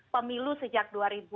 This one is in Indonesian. pemilu sejak dua ribu empat belas